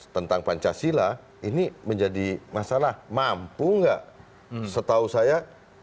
tentang pancasila ini menjadi masalah mampu nggak setahu saya